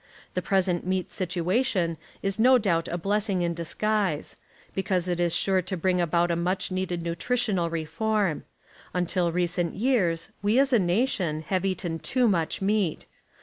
ihe present meat situati(m is no doubt a blessing in disguise, because it is sure to bring about a much needed nutritional reform; until recent years we as a nation, have eaten too much meat.